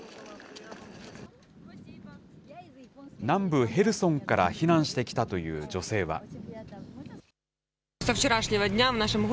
南部ヘルソンから避難してきたという女性は。